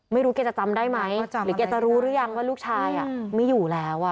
แกจะจำได้ไหมหรือแกจะรู้หรือยังว่าลูกชายไม่อยู่แล้ว